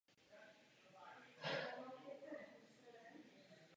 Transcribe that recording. Od čtyř let hraje na piáno a v pubertě se naučila hrát na kytaru.